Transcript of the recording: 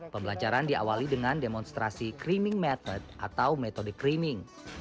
pembelajaran diawali dengan demonstrasi creaming method atau metode creaming